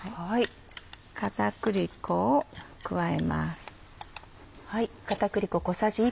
片栗粉を加えます。